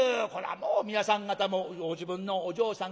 もう皆さん方もご自分のお嬢さん